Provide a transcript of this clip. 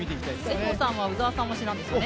江藤さんは鵜澤さん推しなんですよね。